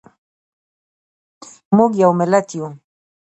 موږ یو ملت یو